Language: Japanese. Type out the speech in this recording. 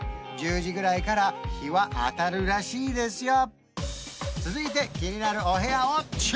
１０時ぐらいから日は当たるらしいですよ